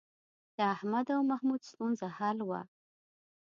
د احمد او محمود ستونزه حل وه.